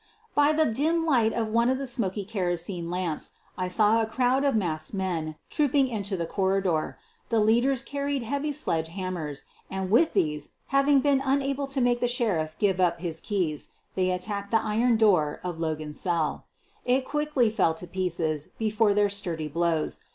By the dim light of the one smoky kerosene lamp I saw a crowd of masked men trooping into the cor ridor. The leaders carried heavy sledge hammers, and with these, having been unable to make the Sheriff give up his keys, they attacked the iron door of Logan's cell. It quickly fell to pieces before their sturdy blows.